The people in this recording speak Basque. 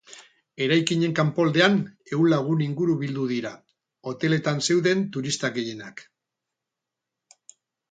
Eraikinen kanpoaldean ehun lagun inguru bildu dira, hoteletan zeuden turistak gehienak.